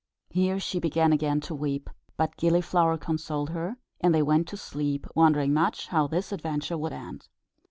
Here she began again to weep; but Gilliflower consoled her, and they went to sleep, wondering much how this adventure would end.